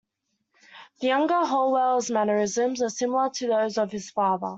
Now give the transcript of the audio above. The younger Howell's mannerisms are similar to those of his father.